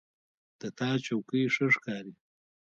د تا چوکۍ ښه ښکاري